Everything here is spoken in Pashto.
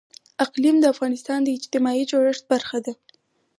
اقلیم د افغانستان د اجتماعي جوړښت برخه ده.